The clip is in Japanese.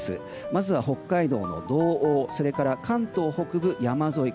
まずは北海道の道央それから関東北部、山沿い。